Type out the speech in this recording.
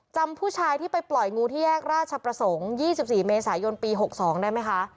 จำผู้ชายที่ไปปล่อยงูที่แยกราชประสงค์๒๔เมษายนปี๖๒ได้ไหมคะ